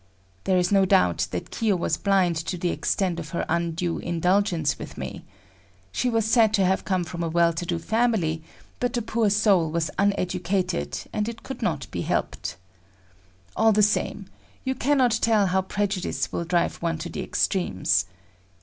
There is no doubt that Kiyo was blind to the extent of her undue indulgence with me. She was said to have come from a well to do family, but the poor soul was uneducated, and it could not be helped. All the same, you cannot tell how prejudice will drive one to the extremes.